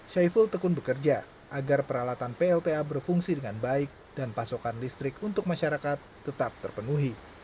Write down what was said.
syaiful tekun bekerja agar peralatan plta berfungsi dengan baik dan pasokan listrik untuk masyarakat tetap terpenuhi